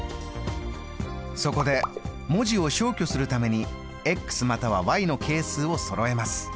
そこで文字を消去するためにまたはの係数をそろえます。